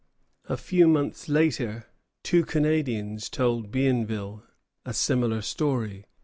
] A few months later, two Canadians told Bienville a similar story.